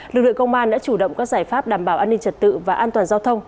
lực lượng công an đã chủ động các giải pháp đảm bảo an ninh trật tự và an toàn giao thông